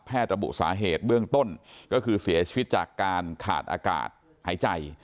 ระบุสาเหตุเบื้องต้นก็คือเสียชีวิตจากการขาดอากาศหายใจ